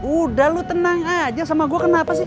udah lu tenang aja sama gue kenapa sih